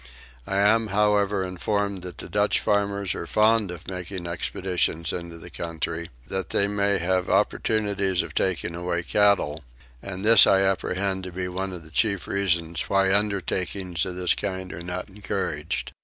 I am however informed that the Dutch farmers are fond of making expeditions into the country, that they may have opportunities of taking away cattle; and this I apprehend to be one of the chief reasons why undertakings of this kind are not encouraged.